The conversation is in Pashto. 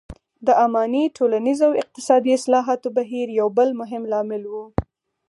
د اماني ټولنیز او اقتصادي اصلاحاتو بهیر یو بل مهم لامل و.